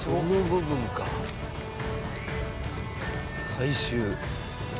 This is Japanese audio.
最終。